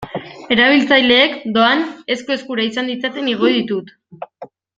Erabiltzaileek, doan, esku-eskura izan ditzaten igo ditut.